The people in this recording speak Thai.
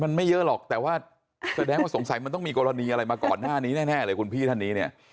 มันไม่เยอะหรอกแต่ว่าแสดงว่าสงสัยมันต้องมีกรณีอะไรมาก่อนหน้านี้แน่เลยคุณพี่ท่านนี้เนี่ย